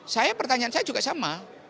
saya pertanyaan saya juga sama